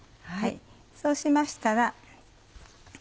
そうしましたら。